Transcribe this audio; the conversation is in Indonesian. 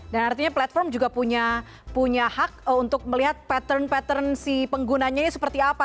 dan artinya platform juga punya hak untuk melihat pattern pattern si penggunanya ini seperti apa